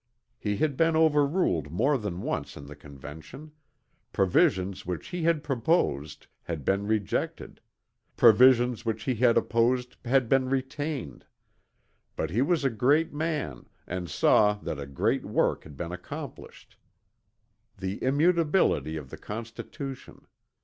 He had been overruled more than once in the Convention; provisions which he had proposed had been rejected; provisions which he had opposed had been retained; but he was a great man and saw that a great work had been accomplished." The Immutability of the Constitution.